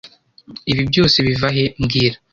Ibi byose biva he mbwira